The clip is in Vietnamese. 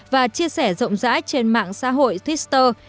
và chia sẻ rộng rãi trên mạng xã hội twitter